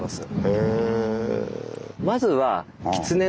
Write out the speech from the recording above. へえ。